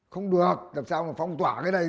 không được làm sao mà phong tỏa cái này